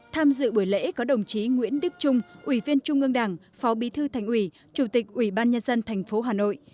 tham dự buổi lễ có đồng chí nguyễn đức trung ủy viên trung ương đảng phó bí thư thành ủy chủ tịch ủy ban nhân dân tp hà nội